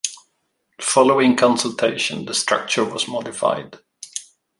Following consultation, the structure was modified.